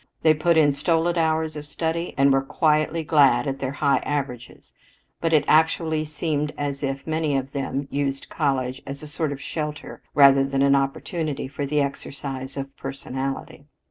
They put in stolid hours of study and were quietly glad at their high averages; but it actually seemed as if many of them used college as a sort of shelter rather than an opportunity for the exercise of personality.